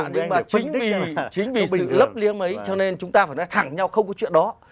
nhưng mà chính vì sự lấp liếng ấy cho nên chúng ta phải nói thẳng nhau không có chuyện đó